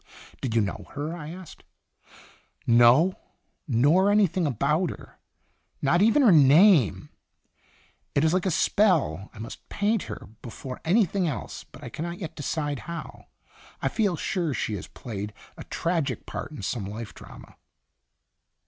" Did you know her?" I asked. ' No, nor anything about her, not even her Itinerant ^onse. 25 name. It is like a spell. I must paint her before anything else, but I cannot yet decide how. I feel sure she has played a tragic part in some life drama."